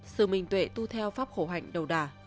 sự minh tuệ tu theo pháp khổ hạnh đầu đà